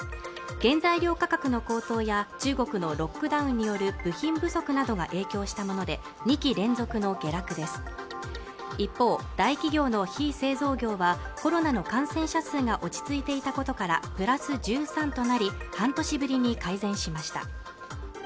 原材料価格の高騰や中国のロックダウンによる部品不足などが影響したもので２期連続の下落です一方大企業の非製造業はコロナの感染者数が落ち着いていたことからプラス１３となり半年ぶりに改善しました